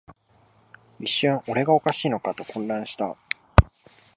一瞬、俺がおかしいのかと混乱した